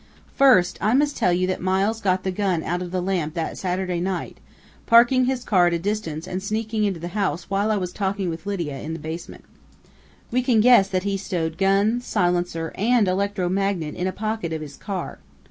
"First I must tell you that Miles got the gun out of the lamp that Saturday night, parking his car at a distance and sneaking into the house while I was talking with Lydia in the basement. We can guess that he stowed gun, silencer and electro magnet in a pocket of his car.